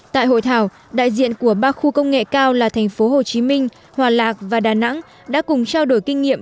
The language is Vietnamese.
tại hội thảo đại diện của ba khu công nghệ cao là tp hcm hoa lạc và đà nẵng đã cùng trao đổi kinh nghiệm